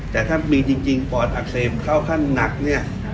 แต่ถ้ามีจริงปอดอักเสบเข้าขั้นหนักเนี่ย